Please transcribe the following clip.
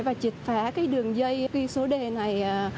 và triệt phá cái đường dây ghi số đề này